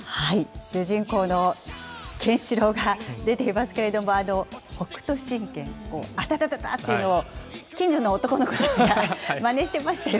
主人公のケンシロウが出ていますけれども、北斗神拳をあたたたたっていうのを、近所の男の子たちがまねしてましたよ。